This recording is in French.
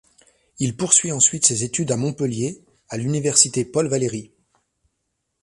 Il poursuit ensuite ses études à Montpellier, à l'Université Paul Valéry.